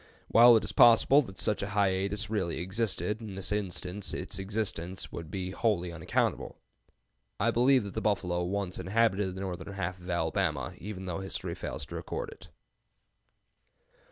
While it is possible that such a hiatus really existed, in this instance its existence would be wholly unaccountable. I believe that the buffalo once inhabited the northern half of Alabama, even though history fails to record it.